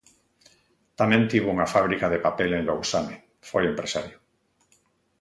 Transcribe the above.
Tamén tivo unha fábrica de papel en Lousame, foi empresario.